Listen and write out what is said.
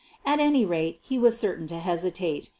At any rate he was certain to hesitate.